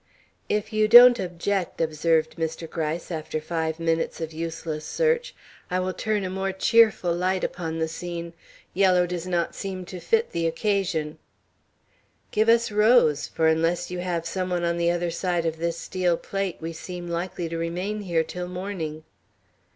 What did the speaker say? "If you don't object," observed Mr. Gryce, after five minutes of useless search, "I will turn a more cheerful light upon the scene. Yellow does not seem to fit the occasion." "Give us rose, for unless you have some one on the other side of this steel plate, we seem likely to remain here till morning."